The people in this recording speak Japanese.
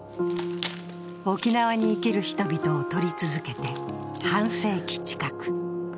沖縄に生きる人々を撮り続けて半世紀近く。